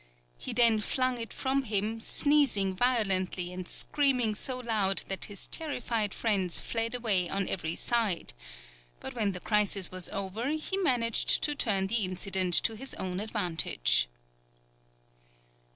He then flung it from him, sneezing violently and screaming so loud that his terrified friends fled away on every side; but when the crisis was over he managed to turn the incident to his own advantage.